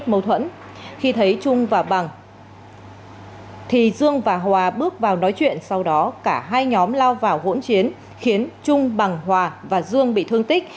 thì dương và hòa bước vào nói chuyện sau đó cả hai nhóm lao vào hỗn chiến khiến trung bằng hòa và dương bị thương tích